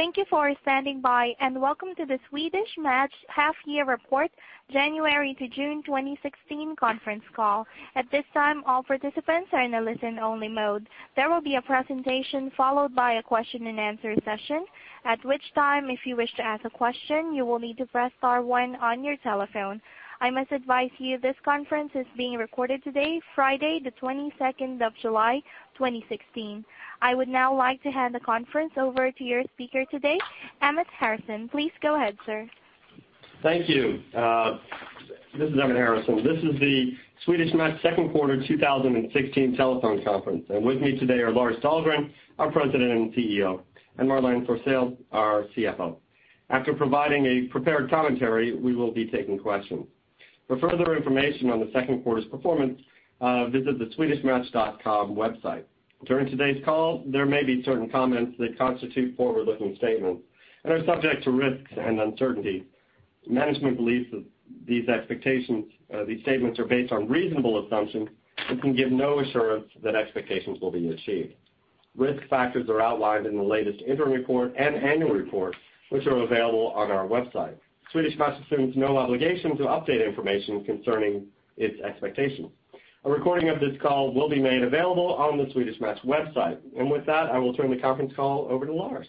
Thank you for standing by, and welcome to the Swedish Match Half Year Report January to June 2016 conference call. At this time, all participants are in a listen-only mode. There will be a presentation followed by a question and answer session, at which time, if you wish to ask a question, you will need to press star one on your telephone. I must advise you, this conference is being recorded today, Friday the 22nd of July, 2016. I would now like to hand the conference over to your speaker today, Emmett Harrison. Please go ahead, sir. Thank you. This is Emmett Harrison. This is the Swedish Match second quarter 2016 telephone conference. With me today are Lars Dahlgren, our President and CEO, and Marlene Forssell, our CFO. After providing a prepared commentary, we will be taking questions. For further information on the second quarter's performance, visit the swedishmatch.com website. During today's call, there may be certain comments that constitute forward-looking statements and are subject to risks and uncertainty. Management believes that these statements are based on reasonable assumptions and can give no assurance that expectations will be achieved. Risk factors are outlined in the latest interim report and annual report, which are available on our website. Swedish Match assumes no obligation to update information concerning its expectations. With that, I will turn the conference call over to Lars.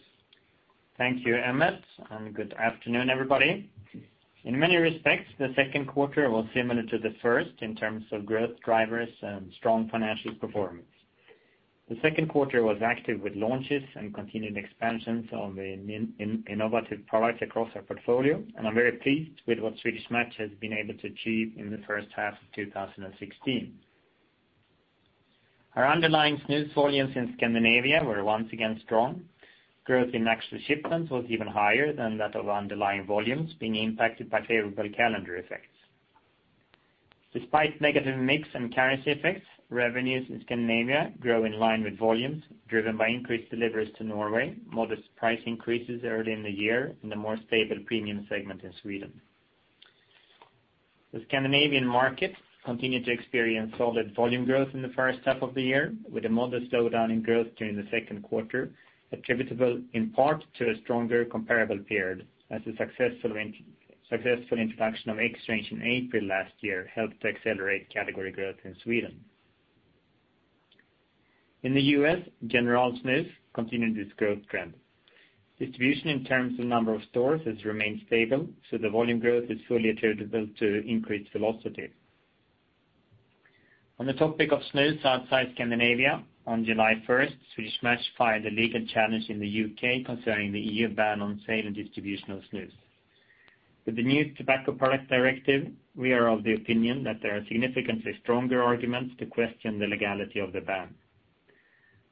Thank you, Emmett, good afternoon, everybody. In many respects, the second quarter was similar to the first in terms of growth drivers and strong financial performance. The second quarter was active with launches and continued expansions of innovative products across our portfolio, and I'm very pleased with what Swedish Match has been able to achieve in the first half of 2016. Our underlying snus volumes in Scandinavia were once again strong. Growth in actual shipments was even higher than that of underlying volumes being impacted by favorable calendar effects. Despite negative mix and currency effects, revenues in Scandinavia grew in line with volumes driven by increased deliveries to Norway, modest price increases early in the year, and a more stable premium segment in Sweden. The Scandinavian market continued to experience solid volume growth in the first half of the year with a modest slowdown in growth during the second quarter, attributable in part to a stronger comparable period as the successful introduction of XRANGE in April last year helped to accelerate category growth in Sweden. In the U.S., General Snus continued its growth trend. Distribution in terms of number of stores has remained stable, so the volume growth is fully attributable to increased velocity. On the topic of snus outside Scandinavia, on July 1st, Swedish Match filed a legal challenge in the U.K. concerning the EU ban on sale and distribution of snus. With the new Tobacco Products Directive, we are of the opinion that there are significantly stronger arguments to question the legality of the ban.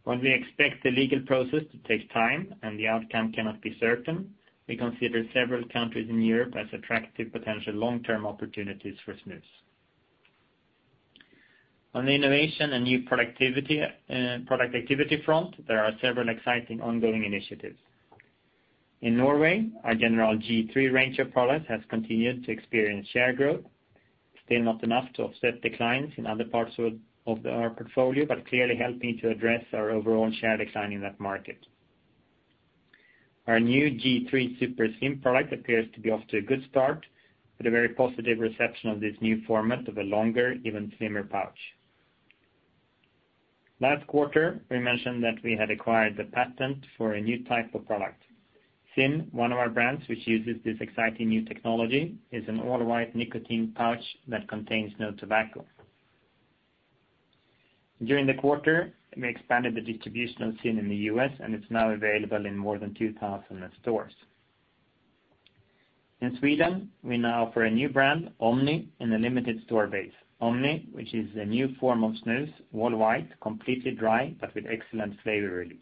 While we expect the legal process to take time and the outcome cannot be certain, we consider several countries in Europe as attractive potential long-term opportunities for snus. On the innovation and new product activity front, there are several exciting ongoing initiatives. In Norway, our General G.3 range of products has continued to experience share growth. Still not enough to offset declines in other parts of our portfolio, but clearly helping to address our overall share decline in that market. Our new G.3 Super Slim product appears to be off to a good start with a very positive reception of this new format of a longer, even slimmer pouch. Last quarter, we mentioned that we had acquired the patent for a new type of product. ZYN, one of our brands which uses this exciting new technology, is an all-white nicotine pouch that contains no tobacco. During the quarter, we expanded the distribution of ZYN in the U.S., and it's now available in more than 2,000 stores. In Sweden, we now offer a new brand, Omni, in a limited store base. Omni, which is a new form of snus, all white, completely dry, but with excellent flavor release.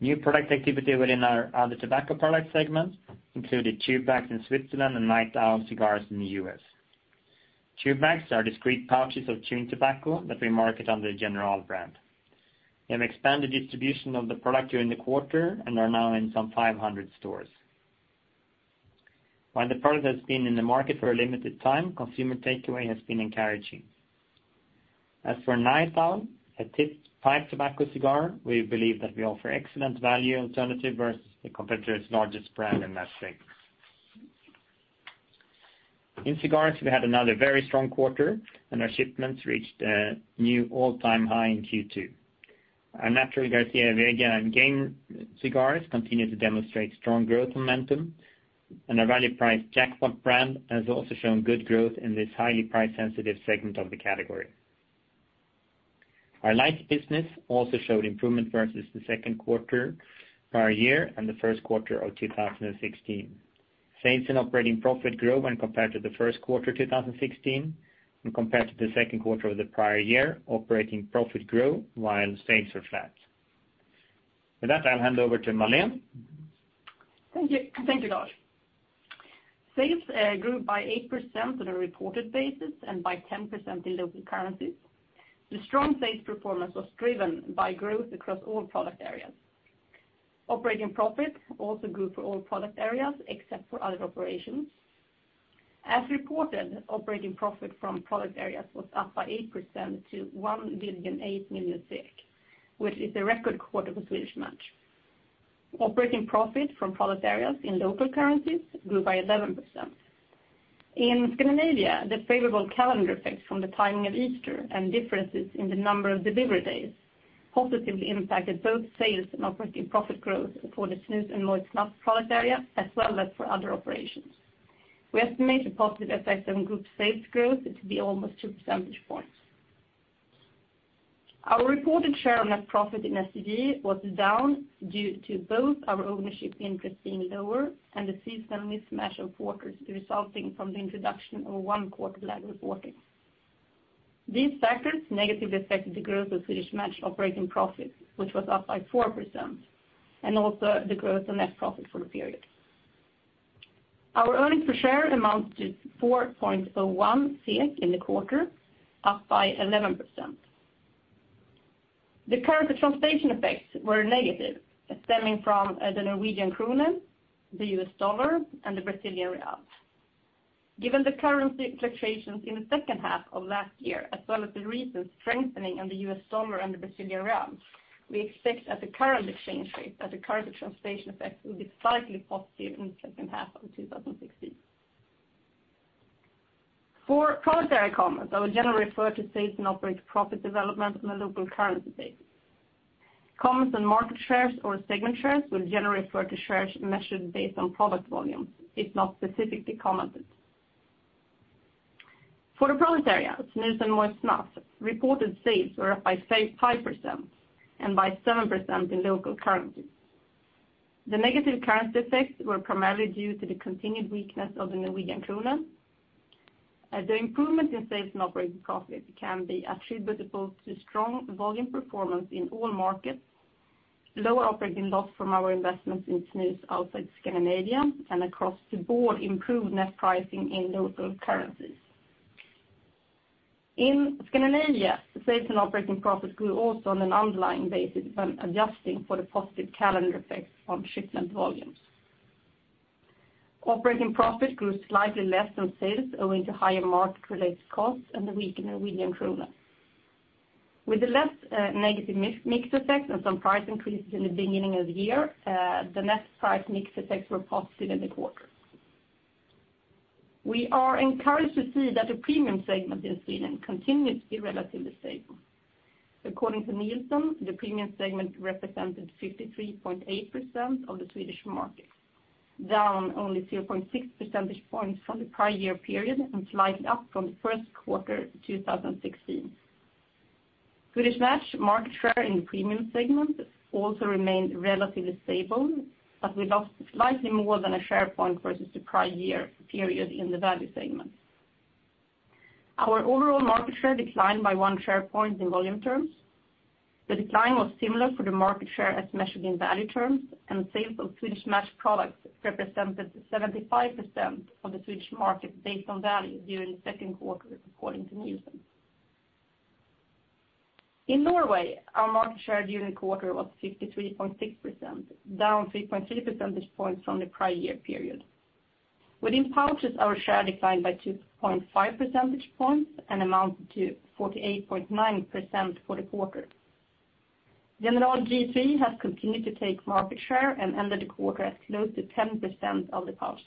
New product activity within our other tobacco product segments included chew bags in Switzerland and Night Owl cigars in the U.S. Chew bags are discrete pouches of chewing tobacco that we market under the General brand. We have expanded distribution of the product during the quarter and are now in some 500 stores. While the product has been in the market for a limited time, consumer takeaway has been encouraging. As for Night Owl, a tipped, pipe tobacco cigar, we believe that we offer excellent value alternative versus the competitor's largest brand in that segment. In cigars, we had another very strong quarter, and our shipments reached a new all-time high in Q2. Our Natural Leaf Garcia y Vega and Game cigars continue to demonstrate strong growth momentum, and our value price Jackpot brand has also shown good growth in this highly price-sensitive segment of the category. Our lights business also showed improvement versus the second quarter prior year and the first quarter of 2016. Sales and operating profit grew when compared to the first quarter 2016 and compared to the second quarter of the prior year, operating profit grew while sales were flat. With that, I'll hand over to Marlene. Thank you. Thank you, Lars. Sales grew by 8% on a reported basis and by 10% in local currency. The strong sales performance was driven by growth across all product areas. Operating profit also grew for all product areas except for other operations. As reported, operating profit from product areas was up by 8% to 1,008 million, which is a record quarter for Swedish Match. Operating profit from product areas in local currencies grew by 11%. In Scandinavia, the favorable calendar effects from the timing of Easter and differences in the number of delivery days positively impacted both sales and operating profit growth for the snus and moist snuff product area, as well as for other operations. We estimate the positive effect on group sales growth to be almost two percentage points. Our reported share of net profit in STG was down due to both our ownership interest being lower and the seasonal mismatch of quarters resulting from the introduction of one-quarter lag reporting. These factors negatively affected the growth of Swedish Match operating profit, which was up by 4%, and also the growth of net profit for the period. Our earnings per share amounted to 4.01 SEK in the quarter, up by 11%. The currency translation effects were negative, stemming from the Norwegian krone, the US dollar, and the Brazilian real. Given the currency fluctuations in the second half of last year, as well as the recent strengthening in the US dollar and the Brazilian real, we expect at the current exchange rate that the currency translation effect will be slightly positive in the second half of 2016. For product area comments, I will generally refer to sales and operating profit development on a local currency basis. Comments on market shares or segment shares will generally refer to shares measured based on product volume, if not specifically commented. For the product area, snus and moist snuff reported sales were up by 5% and by 7% in local currency. The negative currency effects were primarily due to the continued weakness of the Norwegian krone. The improvement in sales and operating profit can be attributable to strong volume performance in all markets, lower operating loss from our investments in snus outside Scandinavia, and across the board, improved net pricing in local currencies. In Scandinavia, sales and operating profit grew also on an underlying basis when adjusting for the positive calendar effects on shipment volumes. Operating profit grew slightly less than sales owing to higher market-related costs and the weak Norwegian krone. With a less negative mix effect and some price increases in the beginning of the year, the net price mix effects were positive in the quarter. We are encouraged to see that the premium segment in Sweden continues to be relatively stable. According to Nielsen, the premium segment represented 53.8% of the Swedish market, down only 0.6 percentage points from the prior year period and slightly up from the first quarter 2016. Swedish Match market share in the premium segment also remained relatively stable, but we lost slightly more than a share point versus the prior year period in the value segment. Our overall market share declined by one share point in volume terms. The decline was similar for the market share as measured in value terms, and sales of Swedish Match products represented 75% of the Swedish market based on value during the second quarter, according to Nielsen. In Norway, our market share during the quarter was 53.6%, down 3.3 percentage points from the prior year period. Within pouches, our share declined by 2.5 percentage points and amounted to 48.9% for the quarter. General G.3 has continued to take market share and ended the quarter at close to 10% of the pouch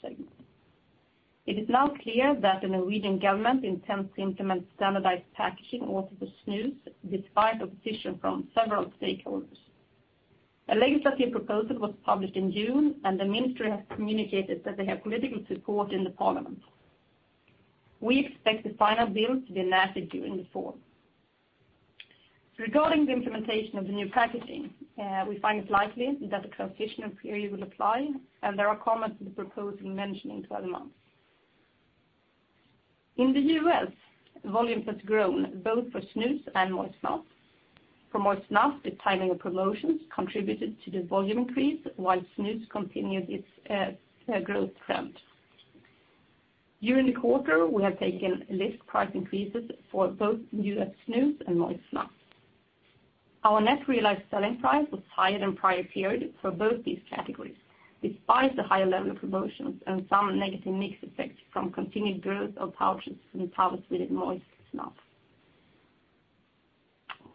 segment. It is now clear that the Norwegian government intends to implement standardized packaging also for snus, despite opposition from several stakeholders. A legislative proposal was published in June, and the ministry has communicated that they have political support in the parliament. We expect the final bill to be enacted during the fall. Regarding the implementation of the new packaging, we find it likely that a transitional period will apply, and there are comments in the proposal mentioning 12 months. In the U.S., volumes has grown both for snus and moist snuff. For moist snuff, the timing of promotions contributed to the volume increase, while snus continued its growth trend. During the quarter, we have taken list price increases for both U.S. snus and moist snuff. Our net realized selling price was higher than the prior period for both these categories, despite the higher level of promotions and some negative mix effects from continued growth of pouches and pouches within moist snuff.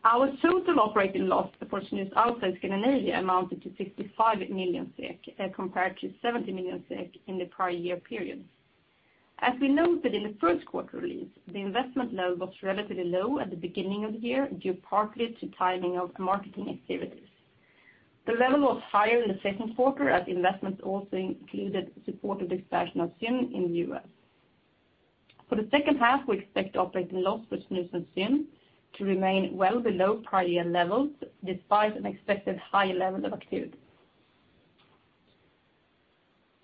Our total operating loss for snus outside Scandinavia amounted to 65 million SEK, compared to 70 million SEK in the prior year period. As we noted in the first quarter release, the investment load was relatively low at the beginning of the year, due partly to timing of marketing activities. The level was higher in the second quarter as investments also included support of the expansion of ZYN in the U.S. For the second half, we expect operating loss for snus and ZYN to remain well below prior year levels, despite an expected higher level of activity.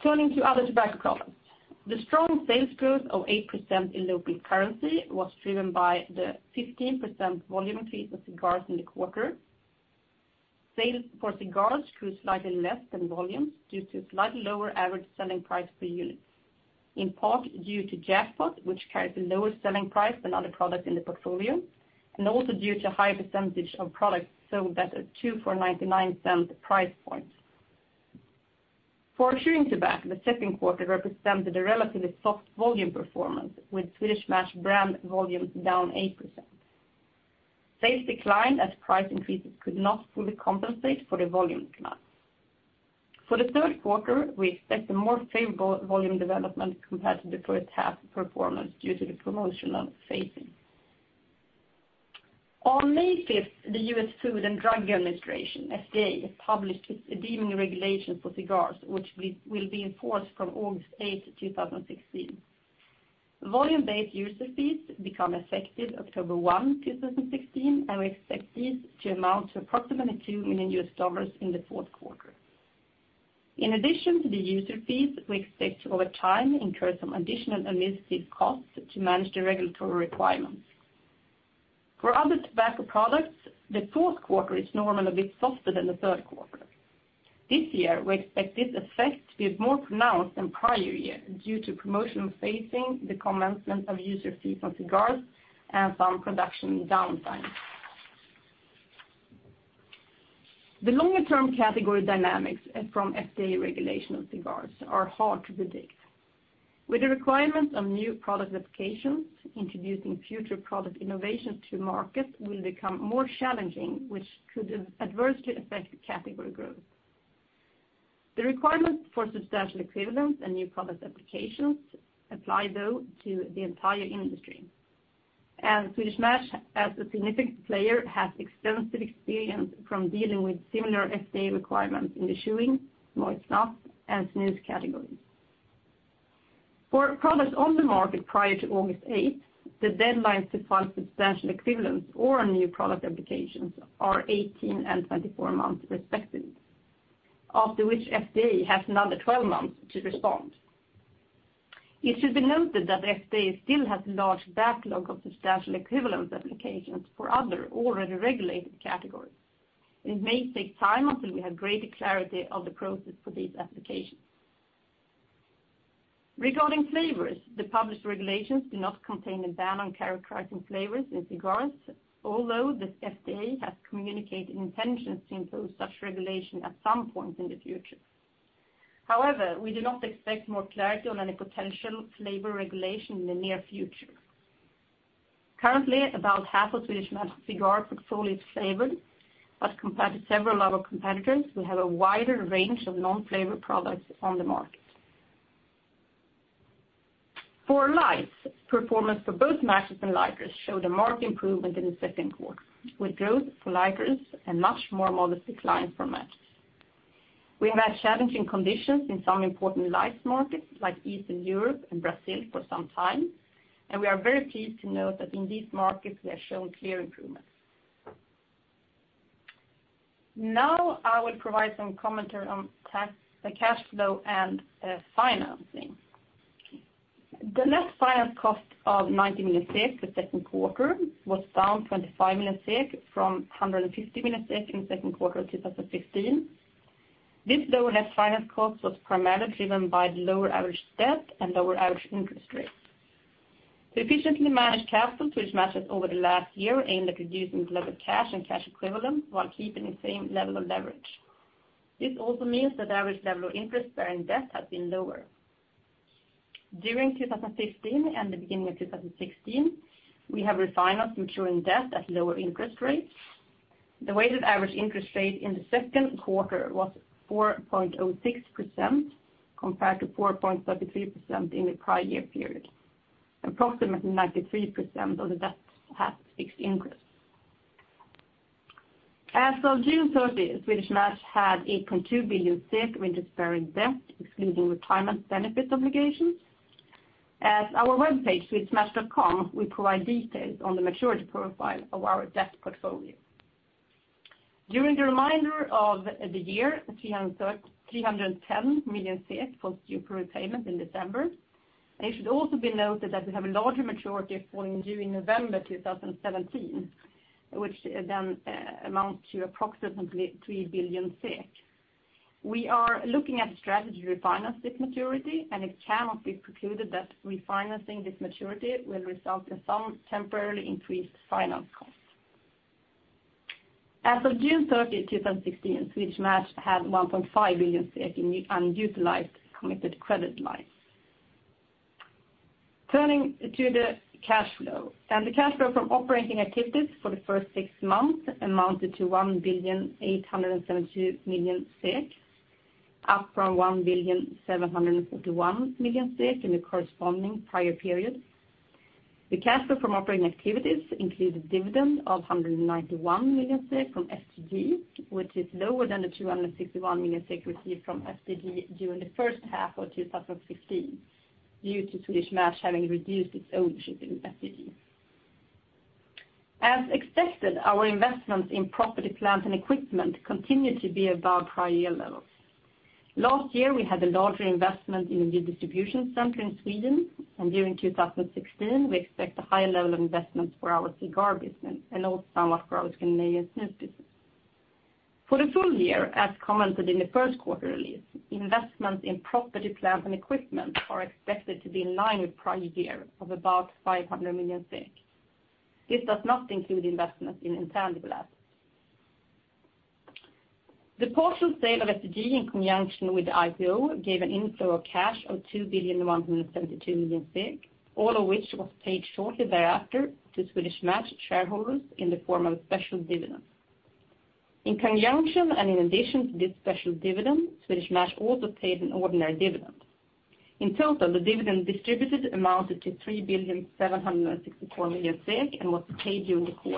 Turning to other tobacco products. The strong sales growth of 8% in local currency was driven by the 15% volume increase of cigars in the quarter. Sales for cigars grew slightly less than volume due to slightly lower average selling price per unit, in part due to Jackpot, which carries a lower selling price than other products in the portfolio, and also due to a higher percentage of products sold at a 2 for $0.99 price point. For chewing tobacco, the second quarter represented a relatively soft volume performance with Swedish Match brand volumes down 8%. Sales declined as price increases could not fully compensate for the volume decline. For the third quarter, we expect a more favorable volume development compared to the first half performance due to the promotional phasing. On May 5th, the U.S. Food and Drug Administration, FDA, published its Deeming Regulation for cigars, which will be enforced from August 8th, 2016. Volume-based user fees become effective October 1, 2016, and we expect these to amount to approximately $2 million USD in the fourth quarter. In addition to the user fees, we expect over time to incur some additional administrative costs to manage the regulatory requirements. For other tobacco products, the fourth quarter is normally a bit softer than the third quarter. This year, we expect this effect to be more pronounced than prior year due to promotional phasing, the commencement of user fees on cigars, and some production downtime. The longer-term category dynamics from FDA regulation of cigars are hard to predict. With the requirements of new product applications, introducing future product innovations to market will become more challenging, which could adversely affect the category growth. The requirement for substantial equivalence and new product applications apply though to the entire industry. Swedish Match, as a significant player, has extensive experience from dealing with similar FDA requirements in the chewing, moist snuff, and snus categories. For products on the market prior to August 8th, the deadlines to file substantial equivalence or new product applications are 18 and 24 months respectively, after which FDA has another 12 months to respond. It should be noted that the FDA still has a large backlog of substantial equivalence applications for other already regulated categories. It may take time until we have greater clarity of the process for these applications. Regarding flavors, the published regulations do not contain a ban on characterizing flavors in cigars, although the FDA has communicated intentions to impose such regulation at some point in the future. We do not expect more clarity on any potential flavor regulation in the near future. Currently, about half of Swedish Match's cigar portfolio is flavored, but compared to several of our competitors, we have a wider range of non-flavored products on the market. For lights, performance for both matches and lighters show the market improvement in the second quarter, with growth for lighters and much more modest decline for matches. We have had challenging conditions in some important lights markets, like Eastern Europe and Brazil for some time, and we are very pleased to note that in these markets we have shown clear improvements. I will provide some commentary on the cash flow and financing. The net finance cost of 90 million SEK in the second quarter was down 25 million SEK from 150 million SEK in the second quarter of 2015. This lower net finance cost was primarily driven by lower average debt and lower average interest rates. The efficiently managed capital Swedish Match has over the last year aimed at reducing delivered cash and cash equivalents while keeping the same level of leverage. This also means the average level of interest-bearing debt has been lower. During 2015 and the beginning of 2016, we have refinanced maturing debt at lower interest rates. The weighted average interest rate in the second quarter was 4.06% compared to 4.33% in the prior year period. Approximately 93% of the debt has fixed interest. As of June 30th, Swedish Match had 8.2 billion in interest-bearing debt, excluding retirement benefit obligations. At our webpage, swedishmatch.com, we provide details on the maturity profile of our debt portfolio. During the remainder of the year, 310 million falls due for repayment in December. It should also be noted that we have a larger maturity falling due in November 2017, which amounts to approximately 3 billion SEK. We are looking at a strategy to refinance this maturity, and it cannot be precluded that refinancing this maturity will result in some temporarily increased finance costs. As of June 30, 2016, Swedish Match had 1.5 billion in unutilized committed credit lines. Turning to the cash flow. The cash flow from operating activities for the first six months amounted to 1.872 billion, up from 1.751 billion in the corresponding prior period. The cash flow from operating activities included a dividend of 191 million from STG, which is lower than the 261 million received from STG during the first half of 2015 due to Swedish Match having reduced its ownership in STG. As expected, our investments in property, plant, and equipment continue to be above prior year levels. Last year, we had a larger investment in the distribution center in Sweden, and during 2016, we expect a higher level of investment for our cigar business and also somewhat for our Scandinavian snus business. For the full year, as commented in the first quarter release, investments in property, plant, and equipment are expected to be in line with prior year of about 500 million. This does not include investment in intangible assets. The partial sale of STG in conjunction with the IPO gave an inflow of cash of 2.172 billion, all of which was paid shortly thereafter to Swedish Match shareholders in the form of special dividends. In conjunction and in addition to this special dividend, Swedish Match also paid an ordinary dividend. In total, the dividend distributed amounted to 3.764 billion and was paid during the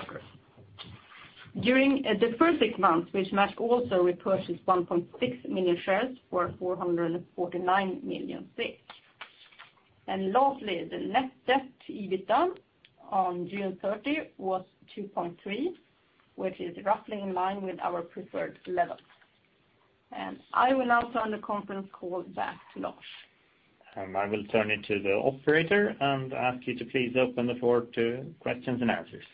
quarter. During the first six months, Swedish Match also repurchased 1.6 million shares for 449 million. Lastly, the net debt EBITDA on June 30 was 2.3, which is roughly in line with our preferred levels. I will now turn the conference call back to Lars. I will turn it to the operator and ask you to please open the floor to questions and answers.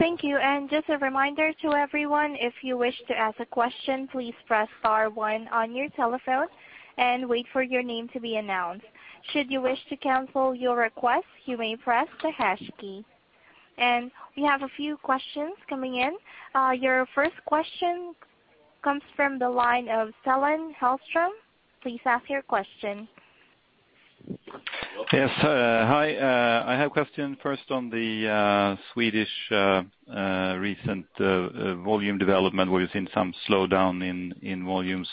Thank you. Just a reminder to everyone, if you wish to ask a question, please press star one on your telephone and wait for your name to be announced. Should you wish to cancel your request, you may press the hash key. We have a few questions coming in. Your first question comes from the line of Celine Hellstrom. Please ask your question. Yes. Hi, I have a question first on the Swedish recent volume development. We've seen some slowdown in volumes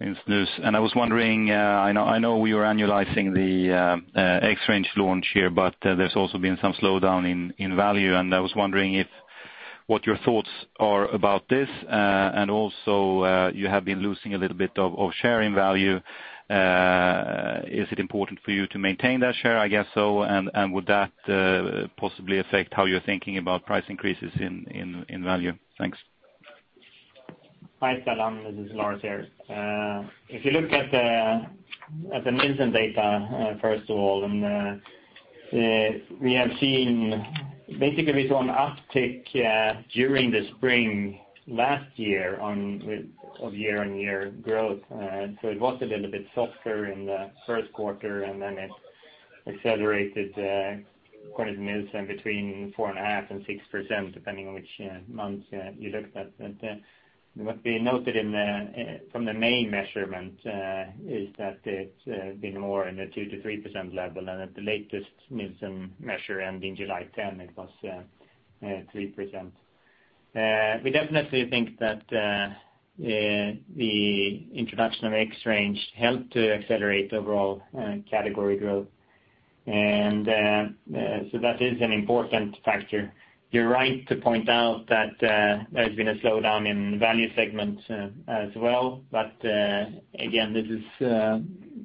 in snus, and I was wondering, I know we were annualizing the XRANGE launch here, but there's also been some slowdown in value, and I was wondering what your thoughts are about this. Also, you have been losing a little bit of share in value. Is it important for you to maintain that share? I guess so. Would that possibly affect how you're thinking about price increases in value? Thanks. Hi, Celine, this is Lars here. If you look at the Nielsen data, first of all, we have seen basically it's on uptick during the spring last year of year-on-year growth. It was a little bit softer in the first quarter, and then it accelerated according to Nielsen between 4.5%-6%, depending on which month you looked at. What we noted from the main measurement is that it's been more in the 2%-3% level, and at the latest Nielsen measure ending July 10, it was 3%. We definitely think that the introduction of XRANGE helped to accelerate overall category growth. That is an important factor. You're right to point out that there's been a slowdown in the value segment as well. Again,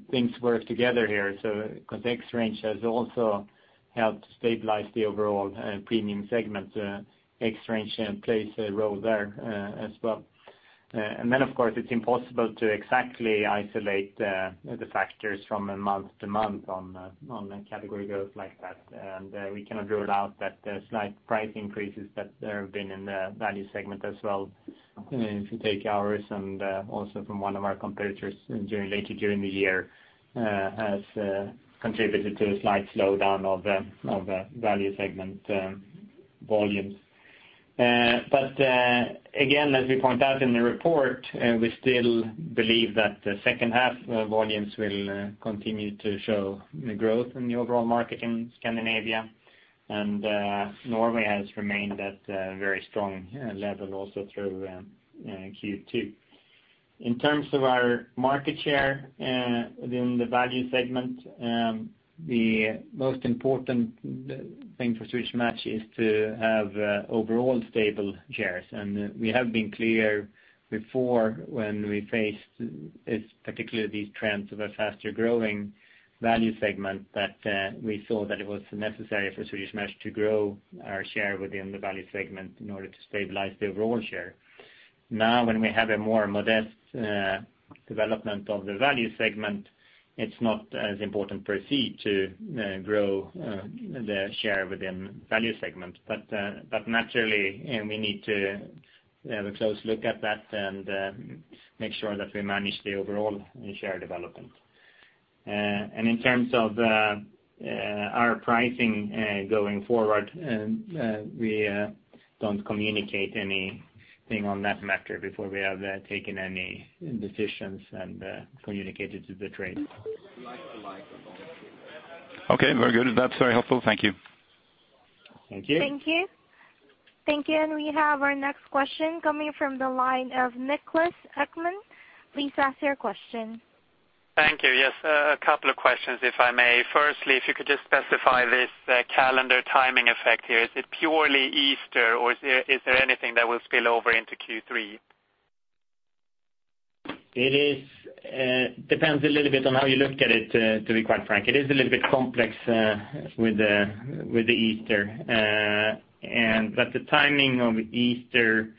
things work together here, because XRANGE has also helped stabilize the overall premium segment. XRANGE plays a role there as well. Then, of course, it's impossible to exactly isolate the factors from a month to month on a category growth like that. We cannot rule out that slight price increases that there have been in the value segment as well, if you take ours and also from one of our competitors later during the year, has contributed to a slight slowdown of value segment volumes. Again, as we point out in the report, we still believe that the second half volumes will continue to show growth in the overall market in Scandinavia. Norway has remained at a very strong level also through Q2. In terms of our market share within the value segment, the most important thing for Swedish Match is to have overall stable shares. We have been clear before when we faced particularly these trends of a faster-growing value segment that we saw that it was necessary for Swedish Match to grow our share within the value segment in order to stabilize the overall share. When we have a more modest development of the value segment, it's not as important per se to grow the share within value segment. Naturally, we need to have a close look at that and make sure that we manage the overall share development. In terms of our pricing going forward, we don't communicate anything on that matter before we have taken any decisions and communicated to the trade. Okay, very good. That's very helpful. Thank you. Thank you. Thank you. Thank you. We have our next question coming from the line of Niklas Ekman. Please ask your question. Thank you. Yes, a couple of questions, if I may. Firstly, if you could just specify this calendar timing effect here. Is it purely Easter, or is there anything that will spill over into Q3? It depends a little bit on how you look at it, to be quite frank. It is a little bit complex with the Easter. The timing of Easter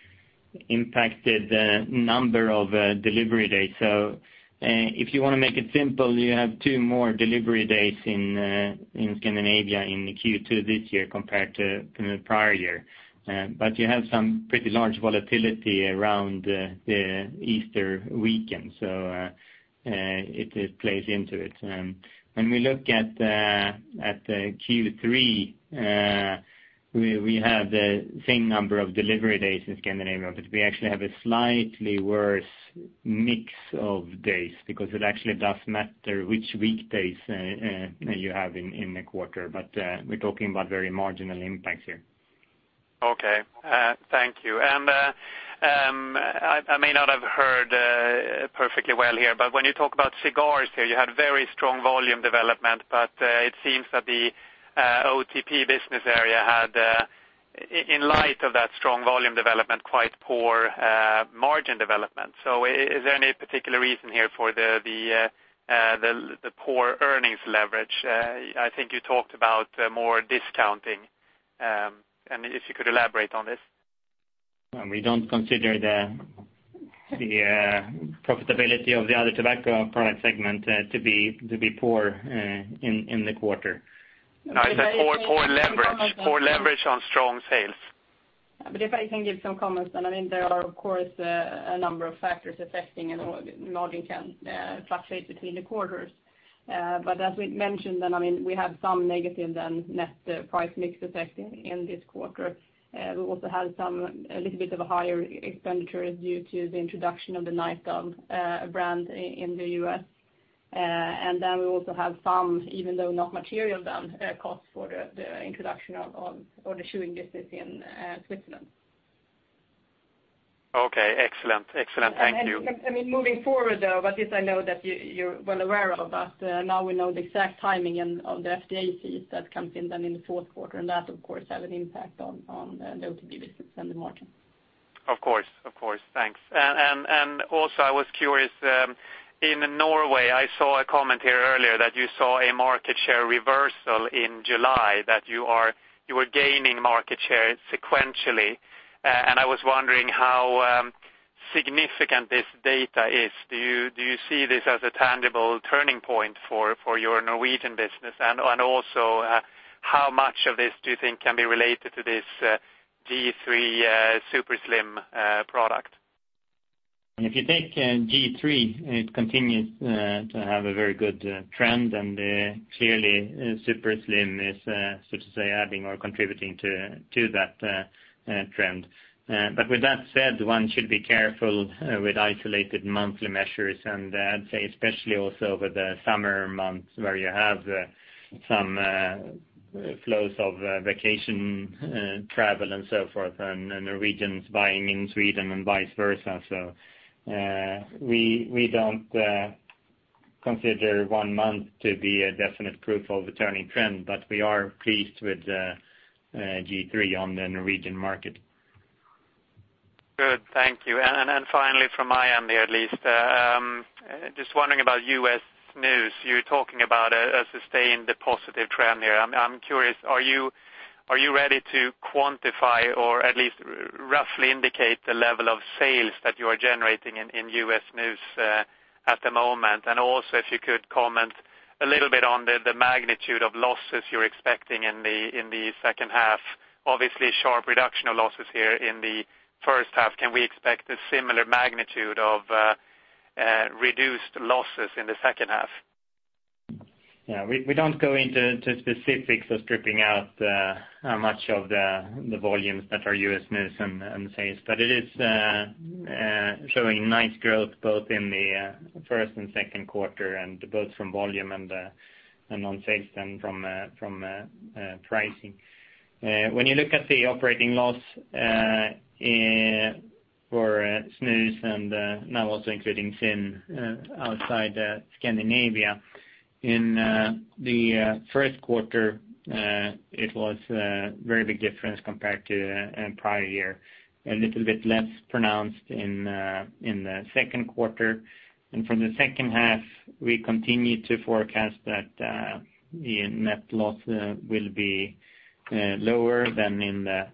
impacted the number of delivery dates. If you want to make it simple, you have 2 more delivery dates in Scandinavia in Q2 this year compared to the prior year. You have some pretty large volatility around the Easter weekend, so it plays into it. When we look at Q3, we have the same number of delivery days in Scandinavia, but we actually have a slightly worse mix of days because it actually does matter which weekdays you have in the quarter. We're talking about very marginal impacts here. Okay. Thank you. I may not have heard perfectly well here, but when you talk about cigars here, you had very strong volume development, but it seems that the OTP business area had, in light of that strong volume development, quite poor margin development. Is there any particular reason here for the poor earnings leverage? I think you talked about more discounting. If you could elaborate on this. We don't consider the profitability of the other tobacco product segment to be poor in the quarter. No, it is a poor leverage on strong sales. If I can give some comments then. There are, of course, a number of factors affecting and margin can fluctuate between the quarters. As we mentioned, we have some negative than net price mix effect in this quarter. We also have a little bit of a higher expenditure due to the introduction of the Night Owl brand in the U.S. Then we also have some, even though not material then, cost for the introduction of the chewing business in Switzerland. Okay, excellent. Thank you. Moving forward, though, but this I know that you are well aware of, but now we know the exact timing of the FDA fees that comes in then in the fourth quarter, and that, of course, has an impact on the OTP business and the margin. Of course. Thanks. I was curious, in Norway, I saw a comment here earlier that you saw a market share reversal in July, that you were gaining market share sequentially. I was wondering how significant this data is. Do you see this as a tangible turning point for your Norwegian business? Also, how much of this do you think can be related to this G.3 Super Slim product? If you take G.3, it continues to have a very good trend, and clearly Super Slim is, so to say, adding or contributing to that trend. With that said, one should be careful with isolated monthly measures, and I'd say especially also over the summer months where you have some flows of vacation, travel, and so forth, and Norwegians buying in Sweden and vice versa. We don't consider one month to be a definite proof of a turning trend, but we are pleased with G.3 on the Norwegian market. Good. Thank you. Finally from my end, at least, just wondering about U.S. snus. You're talking about a sustained positive trend there. I'm curious, are you ready to quantify or at least roughly indicate the level of sales that you are generating in U.S. snus at the moment? Also, if you could comment a little bit on the magnitude of losses you're expecting in the second half. Obviously sharp reduction of losses here in the first half. Can we expect a similar magnitude of reduced losses in the second half? Yeah. We don't go into specifics of stripping out how much of the volumes that are U.S. snus and sales, but it is showing nice growth both in the first and second quarter, and both from volume and on sales and from pricing. When you look at the operating loss for snus and now also including thin outside Scandinavia, in the first quarter, it was a very big difference compared to prior year. A little bit less pronounced in the second quarter. From the second half, we continue to forecast that the net loss will be lower than in the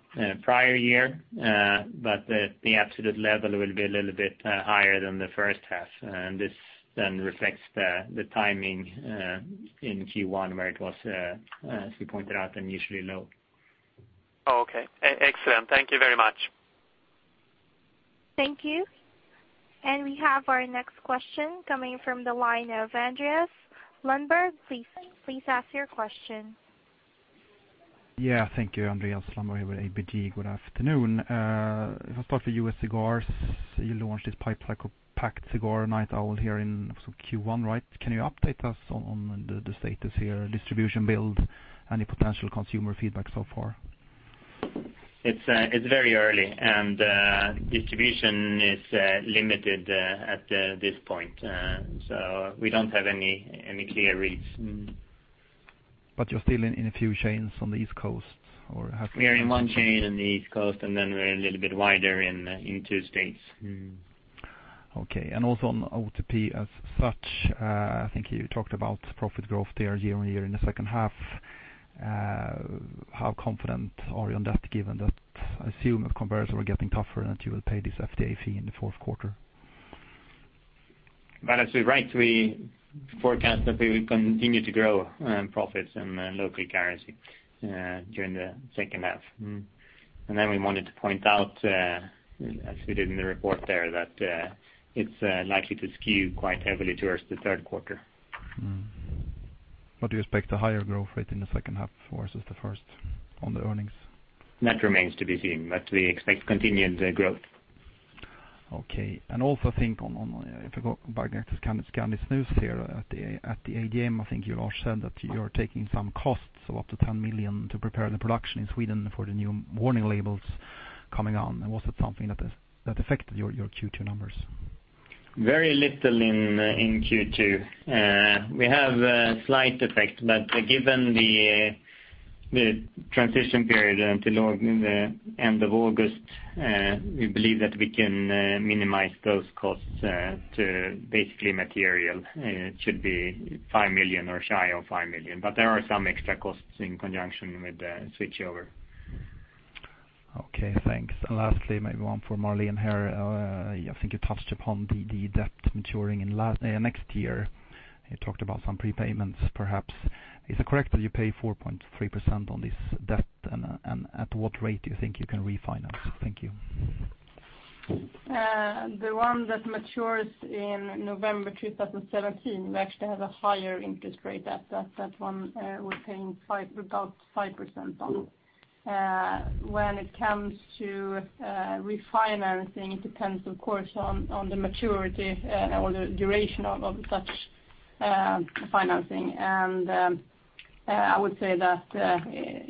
prior year. The absolute level will be a little bit higher than the first half. This then reflects the timing in Q1, where it was, as you pointed out, unusually low. Okay. Excellent. Thank you very much. Thank you. We have our next question coming from the line of Andreas Lundberg. Please ask your question. Thank you, Andreas Lundberg with ABG. Good afternoon. I start with U.S. cigars, you launched this pipe tobacco cigar, Night Owl, here in Q1, right? Can you update us on the status here, distribution build, any potential consumer feedback so far? It's very early and distribution is limited at this point. We don't have any clear reads. You're still in a few chains on the East Coast? We are in one chain in the East Coast, and then we're a little bit wider in two states. Okay. Also on OTP as such, I think you talked about profit growth there year-on-year in the second half. How confident are you on that, given that I assume competitors are getting tougher and that you will pay this FDA fee in the fourth quarter? Well, as we rightly forecast that we will continue to grow profits in local currency during the second half. We wanted to point out, as we did in the report there, that it's likely to skew quite heavily towards the third quarter. You expect a higher growth rate in the second half versus the first on the earnings? That remains to be seen, but we expect continued growth. Okay. If I go back to kind of Swedish Snus here at the AGM, I think you all said that you're taking some costs of up to 10 million to prepare the production in Sweden for the new warning labels coming on. Was it something that affected your Q2 numbers? Very little in Q2. Given the transition period until the end of August, we believe that we can minimize those costs to basically material. It should be 5 million or shy of 5 million. There are some extra costs in conjunction with the switchover. Okay, thanks. Lastly, maybe one for Marlene here. I think you touched upon the debt maturing in next year. You talked about some prepayments perhaps. Is it correct that you pay 4.3% on this debt? At what rate do you think you can refinance? Thank you. The one that matures in November 2017, we actually have a higher interest rate at that one. We're paying about 5% on. When it comes to refinancing, it depends, of course, on the maturity or the duration of such financing. I would say that,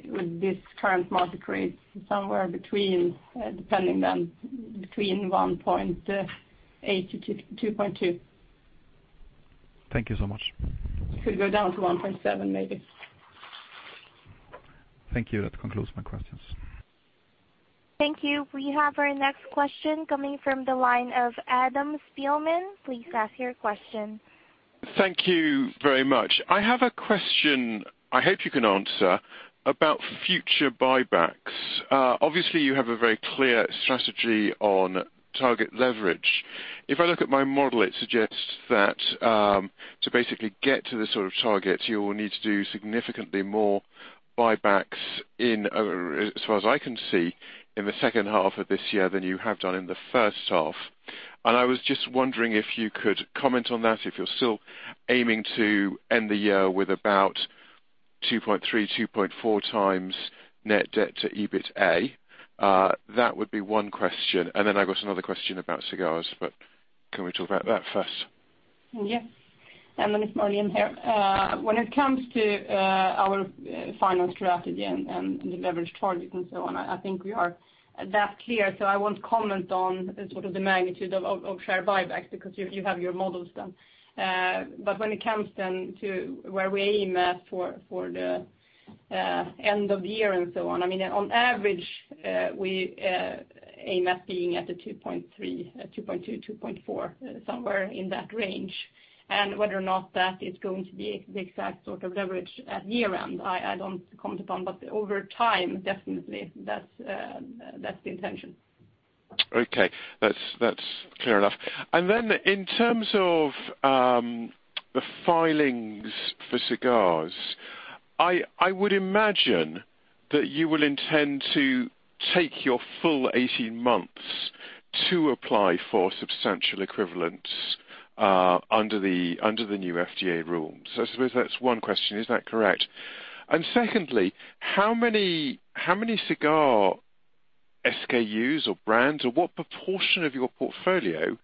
with this current market rate, somewhere between, depending then between 1.8% to 2.2%. Thank you so much. Could go down to 1.7, maybe. Thank you. That concludes my questions. Thank you. We have our next question coming from the line of Adam Spielman. Please ask your question. Thank you very much. I have a question I hope you can answer about future buybacks. Obviously, you have a very clear strategy on target leverage. If I look at my model, it suggests that to basically get to the sort of target, you will need to do significantly more buybacks in, as far as I can see, in the second half of this year than you have done in the first half. I was just wondering if you could comment on that, if you're still aiming to end the year with about 2.3, 2.4 times net debt to EBITDA. That would be one question. I've got another question about cigars, but can we talk about that first? Yeah. It's Marlene here. When it comes to our finance strategy and the leverage target and so on, I think we are that clear. I won't comment on sort of the magnitude of share buyback because you have your models done. When it comes then to where we aim at for the end of the year and so on, I mean, on average, we aim at being at the 2.3, 2.2.4, somewhere in that range. Whether or not that is going to be the exact sort of leverage at year-end, I don't comment upon, but over time, definitely, that's the intention. Okay. That's clear enough. In terms of the filings for cigars, I would imagine that you will intend to take your full 18 months to apply for substantial equivalence under the new FDA rules. I suppose that's one question. Is that correct? Secondly, how many cigar SKUs or brands, or what proportion of your portfolio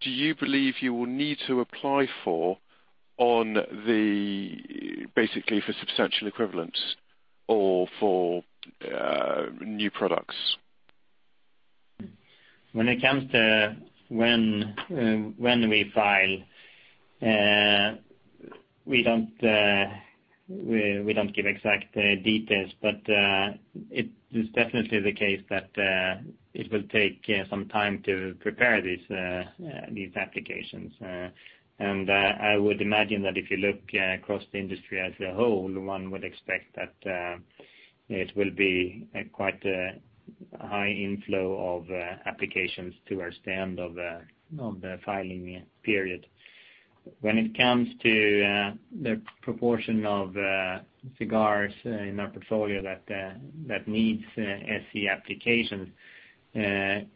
do you believe you will need to apply for basically for substantial equivalence or for new products? When it comes to when we file, we don't give exact details, but it is definitely the case that it will take some time to prepare these applications. I would imagine that if you look across the industry as a whole, one would expect that it will be quite a high inflow of applications towards the end of the filing period. When it comes to the proportion of cigars in our portfolio that needs SE applications,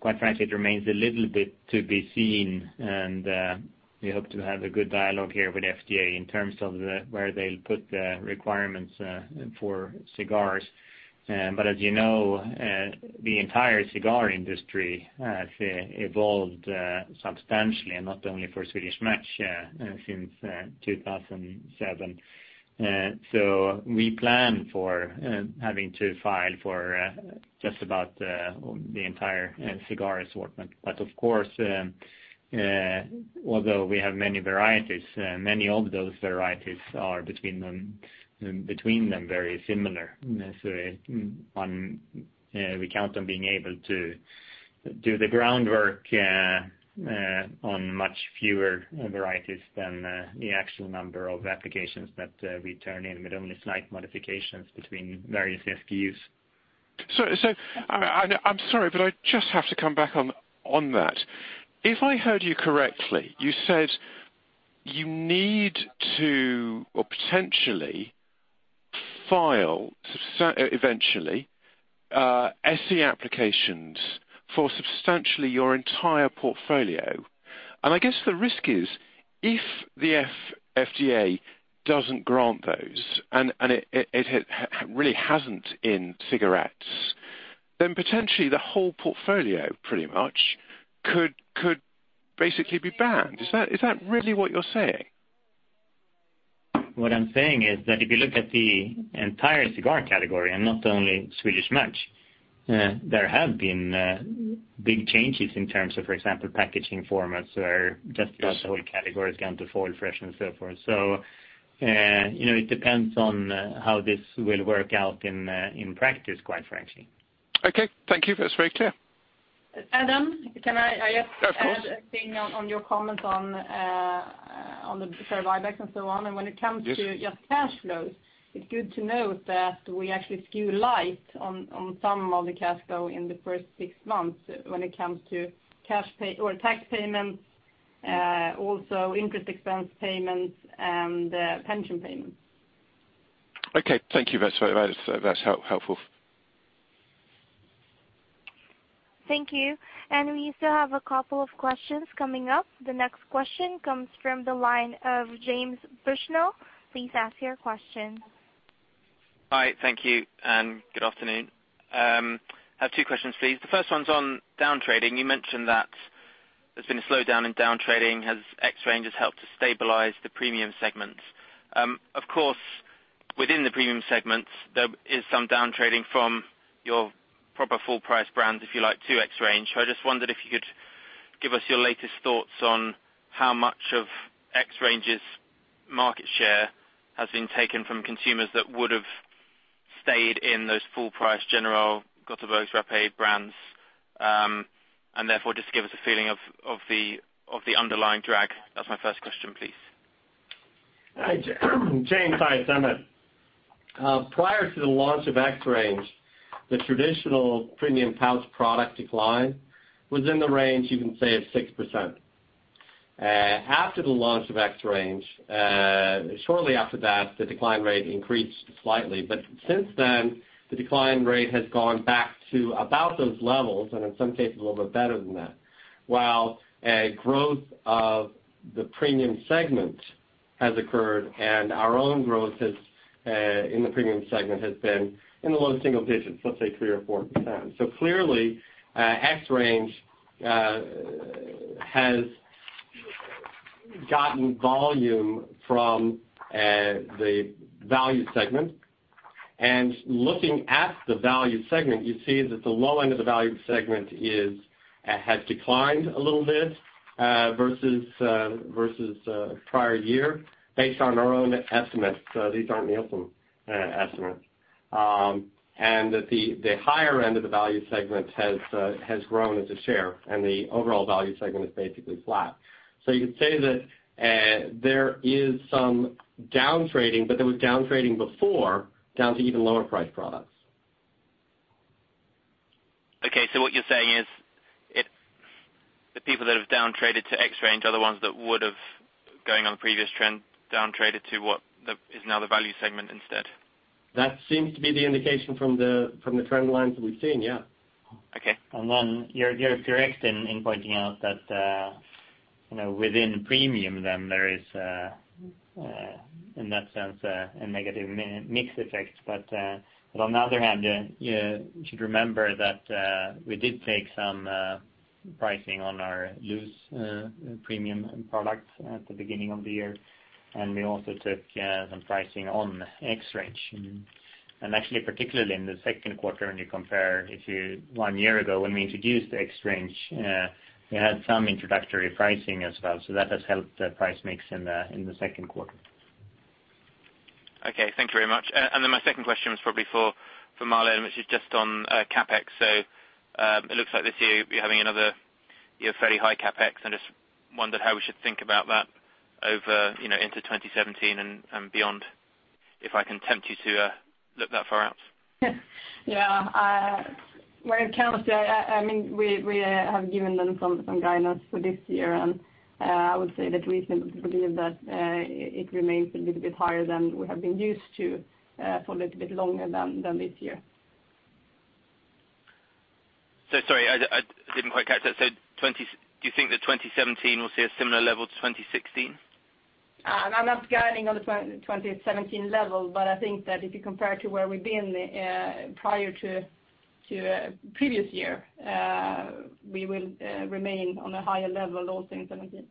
quite frankly, it remains a little bit to be seen and we hope to have a good dialogue here with FDA in terms of where they'll put the requirements for cigars. As you know, the entire cigar industry has evolved substantially, and not only for Swedish Match since 2007. We plan for having to file for just about the entire cigar assortment. Of course, although we have many varieties, many of those varieties are between them very similar, necessarily. We count on being able to do the groundwork on much fewer varieties than the actual number of applications that we turn in with only slight modifications between various SKUs. I'm sorry, but I just have to come back on that. If I heard you correctly, you said you need to, or potentially file, eventually, SE applications for substantially your entire portfolio I guess the risk is if the FDA doesn't grant those, and it really hasn't in cigarettes, then potentially the whole portfolio pretty much could basically be banned. Is that really what you're saying? What I'm saying is that if you look at the entire cigar category and not only Swedish Match, there have been big changes in terms of, for example, packaging formats or Yes the whole category has gone to foil fresh and so forth. It depends on how this will work out in practice, quite frankly. Okay, thank you. That's very clear. Adam. Of course. Just add a thing on your comment on the share buybacks and so on? Yes just cash flows, it is good to note that we actually skew light on some of the cash flow in the first six months when it comes to tax payments, also interest expense payments and pension payments. Okay, thank you. That is helpful. Thank you. We still have a couple of questions coming up. The next question comes from the line of James Bushnell. Please ask your question. Hi, thank you. Good afternoon. I have two questions please. The first one is on down-trading. You mentioned that there has been a slowdown in down-trading as XRANGE has helped to stabilize the premium segments. Of course, within the premium segments, there is some down-trading from your proper full price brands, if you like, to XRANGE. I just wondered if you could give us your latest thoughts on how much of XRANGE's market share has been taken from consumers that would have stayed in those full price General, Göteborgs Rapé brands, and therefore just give us a feeling of the underlying drag. That is my first question, please. Hi, James. Hi, it's Emmett. Prior to the launch of XRANGE, the traditional premium pouch product decline was in the range, you can say of 6%. After the launch of XRANGE, shortly after that, the decline rate increased slightly. Since then, the decline rate has gone back to about those levels, and in some cases, a little bit better than that. While growth of the premium segment has occurred and our own growth in the premium segment has been in the low single digits, let's say 3% or 4%. Clearly, XRANGE has gotten volume from the value segment. Looking at the value segment, you see that the low end of the value segment has declined a little bit versus prior year based on our own estimates. These aren't Nielsen estimates. That the higher end of the value segment has grown as a share, and the overall value segment is basically flat. You could say that there is some down-trading, there was down-trading before, down to even lower priced products. Okay, what you're saying is the people that have down-traded to XRANGE are the ones that would've, going on the previous trend, down-traded to what is now the value segment instead? That seems to be the indication from the trend lines that we've seen, yeah. Okay. You're correct in pointing out that within premium, there is, in that sense, a negative mix effect. But on the other hand, you should remember that we did take some pricing on our loose premium product at the beginning of the year, and we also took some pricing on XRANGE. Actually, particularly in the second quarter, when you compare it to one year ago when we introduced XRANGE, we had some introductory pricing as well. That has helped the price mix in the second quarter. Thank you very much. My second question was probably for Marlene, which is just on CapEx. It looks like this year you'll be having another fairly high CapEx. I just wondered how we should think about that into 2017 and beyond, if I can tempt you to look that far out. Where it counts, we have given them some guidance for this year, and I would say that we believe that it remains a little bit higher than we have been used to for a little bit longer than this year. Sorry, I didn't quite catch that. Do you think that 2017 will see a similar level to 2016? I'm not guiding on the 2017 level, but I think that if you compare it to where we've been prior to previous year, we will remain on a higher level all through 2017.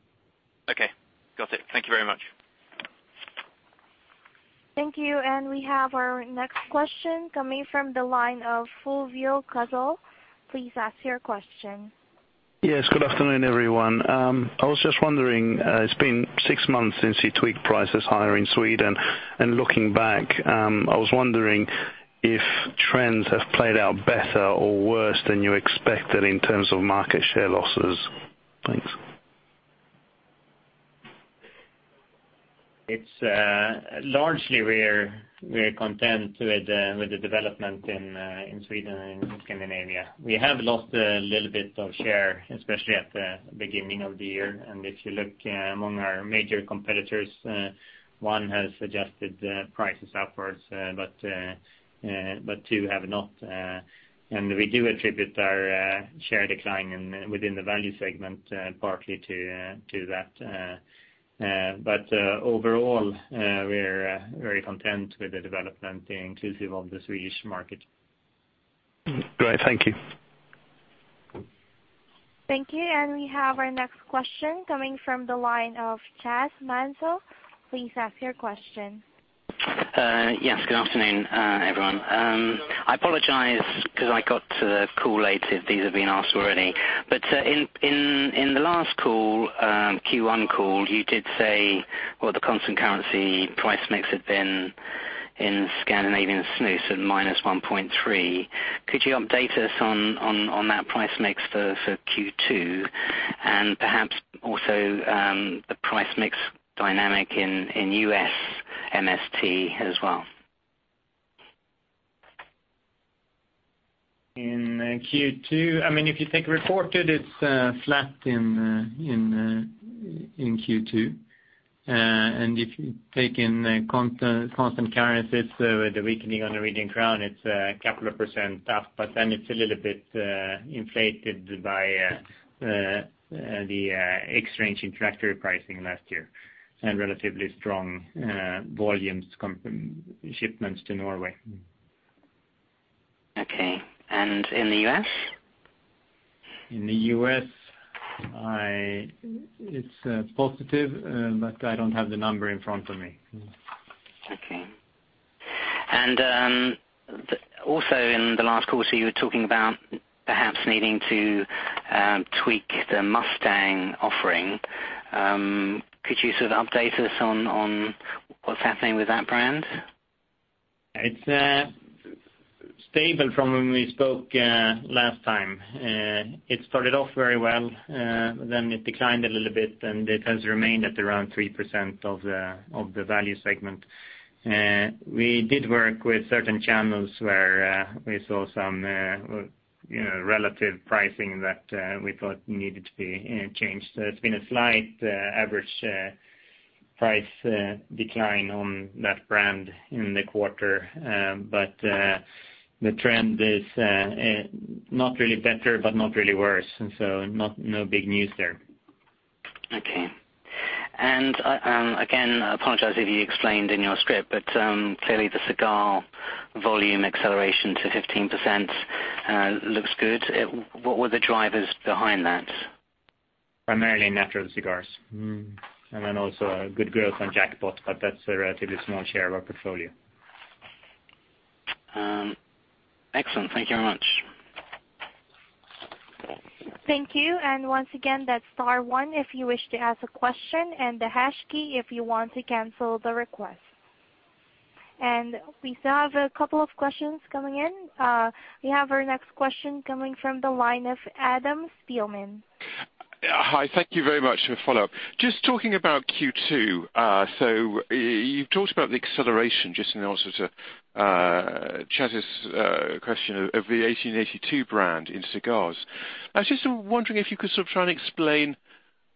Okay. Got it. Thank you very much. Thank you. We have our next question coming from the line of Fulvio Cazzol. Please ask your question. Yes, good afternoon, everyone. I was just wondering, it's been six months since you tweaked prices higher in Sweden, looking back, I was wondering if trends have played out better or worse than you expected in terms of market share losses. Thanks. Largely, we're content with the development in Sweden and Scandinavia. We have lost a little bit of share, especially at the beginning of the year. If you look among our major competitors, one has adjusted prices upwards, but two have not. We do attribute our share decline within the value segment partly to that. Overall, we're very content with the development inclusive of the Swedish market. Great. Thank you. Thank you. We have our next question coming from the line of Chas Manso. Please ask your question. Yes. Good afternoon, everyone. I apologize because I got to the call late, if these have been asked already. In the last call, Q1 call, you did say, well, the constant currency price mix had been in Scandinavian Snus at -1.3%. Could you update us on that price mix for Q2? Perhaps also, the price mix dynamic in U.S. MST as well. In Q2, if you take reported, it's flat in Q2. If you take in constant currencies with the weakening on the Norwegian krone, it's a couple of % up, but it's a little bit inflated by the exchange in factory pricing last year and relatively strong volumes shipments to Norway. Okay. In the U.S.? In the U.S., it's positive, but I don't have the number in front of me. Okay. Also in the last quarter, you were talking about perhaps needing to tweak the Mustang offering. Could you sort of update us on what's happening with that brand? It's stable from when we spoke last time. It started off very well, then it declined a little bit, it has remained at around 3% of the value segment. We did work with certain channels where we saw some relative pricing that we thought needed to be changed. It's been a slight average price decline on that brand in the quarter. The trend is not really better, but not really worse. No big news there. Okay. Again, I apologize if you explained in your script, clearly the cigar volume acceleration to 15% looks good. What were the drivers behind that? Primarily natural cigars. Also a good growth on Jackpot, that's a relatively small share of our portfolio. Excellent. Thank you very much. Thank you. Once again, that's star one if you wish to ask a question and the hash key if you want to cancel the request. We still have a couple of questions coming in. We have our next question coming from the line of Adam Spielman. Hi. Thank you very much for the follow-up. Just talking about Q2, you've talked about the acceleration just in the answer to Chas's question of the 1882 brand in cigars. I was just wondering if you could sort of try and explain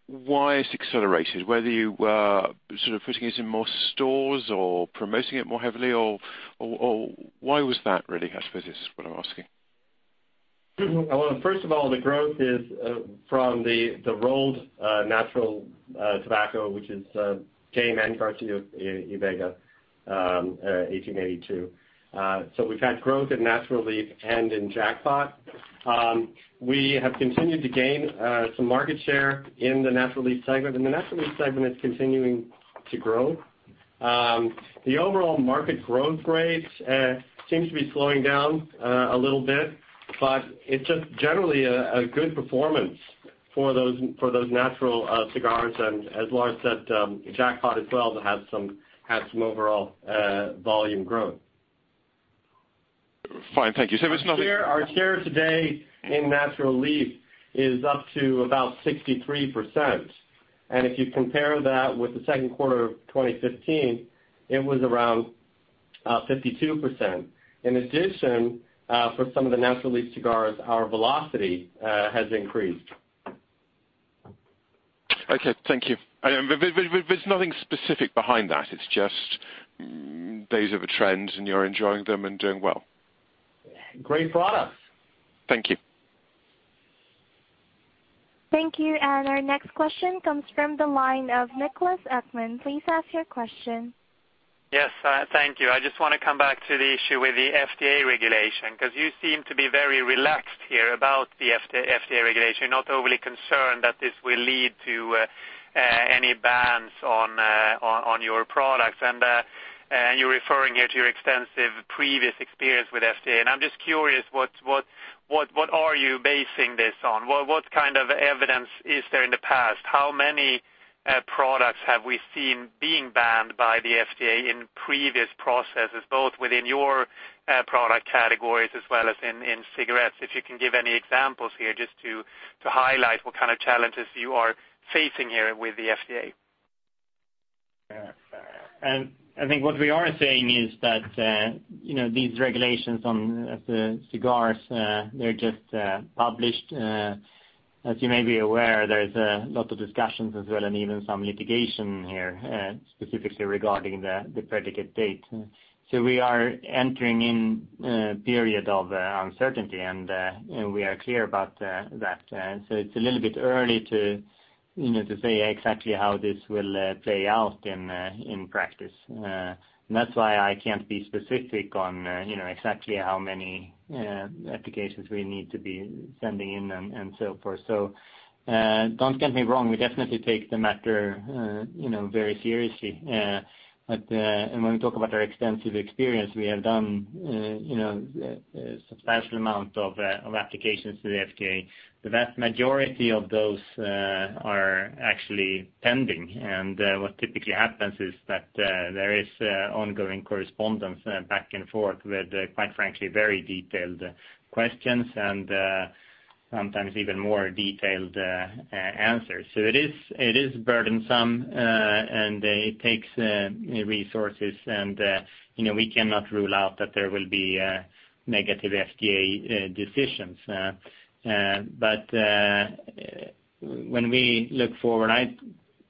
why it's accelerated, whether you were sort of putting it in more stores or promoting it more heavily, or why was that really? I suppose is what I'm asking. Well, first of all, the growth is from the rolled natural tobacco, which is Garcia y Vega 1882. We've had growth in Natural Leaf and in Jackpot. We have continued to gain some market share in the Natural Leaf segment. The Natural Leaf segment is continuing to grow. The overall market growth rate seems to be slowing down a little bit, it's just generally a good performance for those natural cigars and, as Lars said, Jackpot as well to have some overall volume growth. Fine. Thank you. There's nothing- Our share today in Natural Leaf is up to about 63%, and if you compare that with the second quarter of 2015, it was around 52%. In addition, for some of the Natural Leaf cigars, our velocity has increased. Okay. Thank you. There's nothing specific behind that. It's just those are the trends, and you're enjoying them and doing well. Great product. Thank you. Thank you. Our next question comes from the line of Niklas Ekman. Please ask your question. Yes. Thank you. I just want to come back to the issue with the FDA regulation, because you seem to be very relaxed here about the FDA regulation. You're not overly concerned that this will lead to any bans on your products. You're referring here to your extensive previous experience with FDA, and I'm just curious, what are you basing this on? What kind of evidence is there in the past? How many products have we seen being banned by the FDA in previous processes, both within your product categories as well as in cigarettes? If you can give any examples here just to highlight what kind of challenges you are facing here with the FDA. I think what we are saying is that these regulations on the cigars, they're just published. As you may be aware, there's a lot of discussions as well, and even some litigation here, specifically regarding the predicate date. We are entering in a period of uncertainty, and we are clear about that. It's a little bit early to say exactly how this will play out in practice. That's why I can't be specific on exactly how many applications we need to be sending in and so forth. Don't get me wrong, we definitely take the matter very seriously. When we talk about our extensive experience, we have done a substantial amount of applications to the FDA. The vast majority of those are actually pending. What typically happens is that there is ongoing correspondence back and forth with, quite frankly, very detailed questions and sometimes even more detailed answers. It is burdensome, and it takes resources and we cannot rule out that there will be negative FDA decisions. When we look forward, I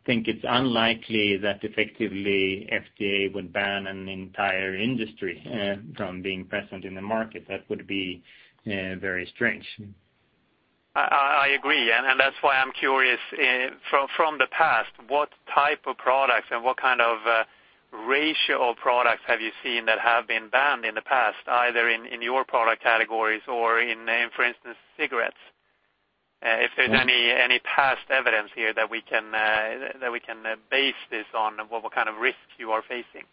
think it's unlikely that effectively FDA would ban an entire industry from being present in the market. That would be very strange. I agree, that's why I'm curious. From the past, what type of products and what kind of ratio of products have you seen that have been banned in the past, either in your product categories or in, for instance, cigarettes? If there's any past evidence here that we can base this on, what kind of risks you are facing.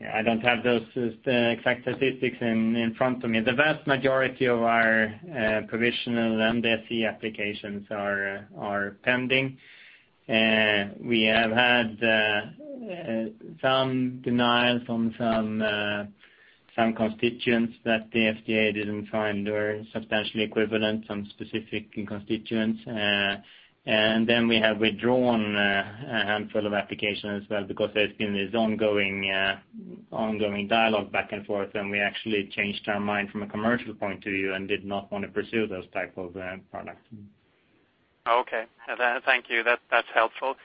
I don't have those exact statistics in front of me. The vast majority of our provisional MRTP applications are pending. We have had some denials on some constituents that the FDA didn't find were substantially equivalent, some specific constituents. Then we have withdrawn a handful of applications as well because there's been this ongoing dialogue back and forth, and we actually changed our mind from a commercial point of view and did not want to pursue those type of products. Thank you. That's helpful.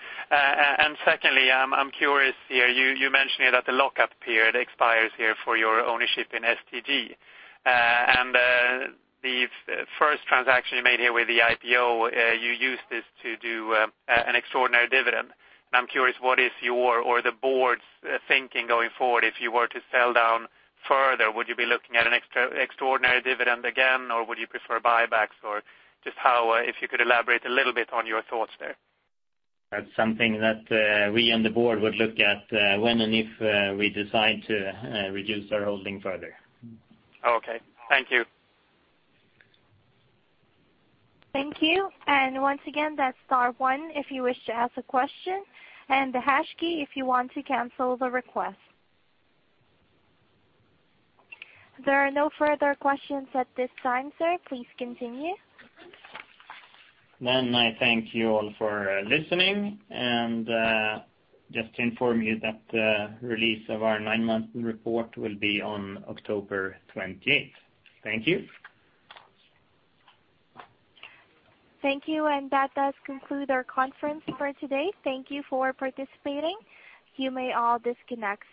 Secondly, I'm curious here, you mentioned here that the lock-up period expires here for your ownership in STG. The first transaction you made here with the IPO, you used this to do an extraordinary dividend. I'm curious, what is your or the board's thinking going forward, if you were to sell down further, would you be looking at an extraordinary dividend again, or would you prefer buybacks? Just how, if you could elaborate a little bit on your thoughts there. That's something that we and the board would look at when and if we decide to reduce our holding further. Okay. Thank you. Thank you. Once again, that's star one if you wish to ask a question, and the hash key if you want to cancel the request. There are no further questions at this time, sir. Please continue. I thank you all for listening, and just to inform you that the release of our nine-month report will be on October 28th. Thank you. Thank you. That does conclude our conference for today. Thank you for participating. You may all disconnect.